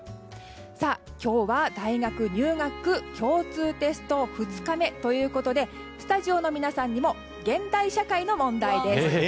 今日は大学入学共通テスト２日目ということでスタジオの皆さんにも現代社会の問題です。